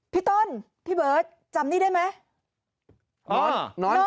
พี่ต้นพี่เบิร์ตจำนี่ได้ไหม